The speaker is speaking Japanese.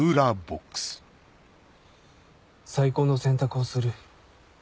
最高の選択をする。